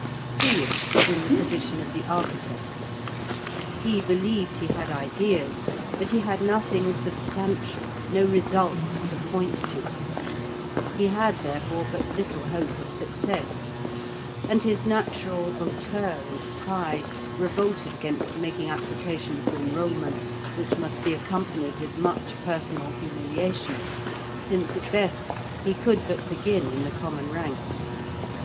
Felix was in the position of the architect. He believed he had ideas, but he had nothing substantial, no result, to point to. He had therefore but little hope of success, and his natural hauteur and pride revolted against making application for enrolment which must be accompanied with much personal humiliation, since at best he could but begin in the common ranks.